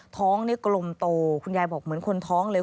ท้องนี่กลมโตคุณยายบอกเหมือนคนท้องเลย